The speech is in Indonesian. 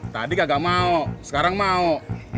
tadi kagak mau sekarang mau